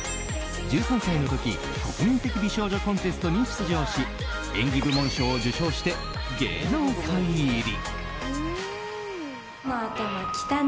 １３歳の時国民的美少女コンテストに出場し演技部門賞を受賞して芸能界入り。